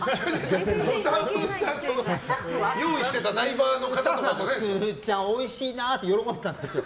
スタッフが用意してたダイバーの方とかじゃ鶴ちゃん、おいしいなって喜んでたんですよ。